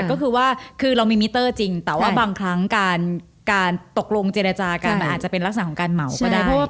ก็คือว่าคือเรามีมิเตอร์จริงแต่ว่าบางครั้งการตกลงเจรจากันมันอาจจะเป็นลักษณะของการเหมาก็ได้